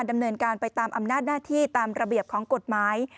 ดำเนินการไปตามอำนาจหน้าที่ตามระเบียบของกฎหมาย